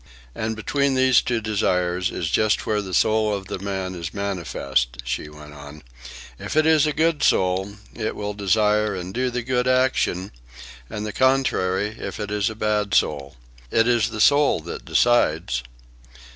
"And between these two desires is just where the soul of the man is manifest," she went on. "If it is a good soul, it will desire and do the good action, and the contrary if it is a bad soul. It is the soul that decides."